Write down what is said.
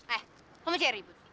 eh kamu cair ribut